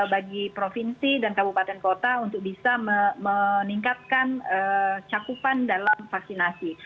bagi provinsi dan kabupaten kota untuk bisa meningkatkan cakupan dalam vaksinasi